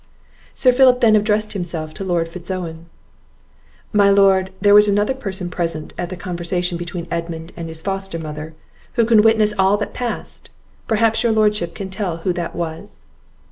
Sir Philip then addressed himself to Lord Fitz Owen. "My Lord, there was another person present at the conversation between Edmund and his foster mother, who can witness to all that passed; perhaps your lordship can tell who that was?"